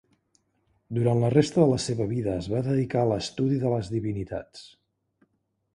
Durant la resta de la seva vida es va dedicar a l'estudi de les divinitats.